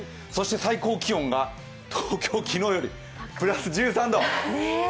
そして最高気温は東京、昨日よりプラス１３度。